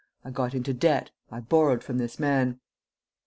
I got into debt I borrowed from this man."